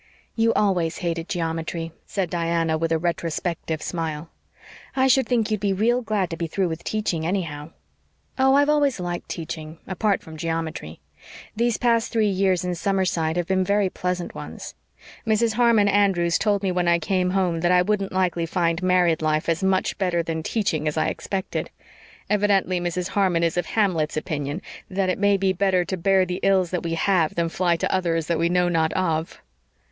"You always hated geometry," said Diana with a retrospective smile. "I should think you'd be real glad to be through with teaching, anyhow." "Oh, I've always liked teaching, apart from geometry. These past three years in Summerside have been very pleasant ones. Mrs. Harmon Andrews told me when I came home that I wouldn't likely find married life as much better than teaching as I expected. Evidently Mrs. Harmon is of Hamlet's opinion that it may be better to bear the ills that we have than fly to others that we know not of."